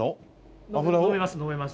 飲めます飲めます。